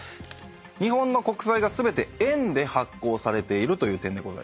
日本の国債が全て円で発行されているという点です。